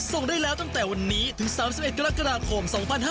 ส่งได้แล้วตั้งแต่วันนี้ถึง๓๑กรกฎาคม๒๕๕๙